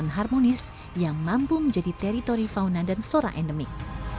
dengan harmonis yang mampu menjadi teritori fauna dan flora endemik